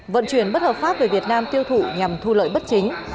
vận chuyển bất hợp pháp về việt nam tiêu thụ nhằm thu lợi bất chính